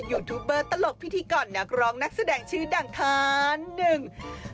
ยูทูปเบอร์ตลกพิธีกรนักร้องนักแสดงชื่อดังคานหนึ่ง